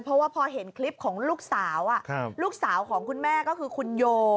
เพราะว่าพอเห็นคลิปของลูกสาวลูกสาวของคุณแม่ก็คือคุณโย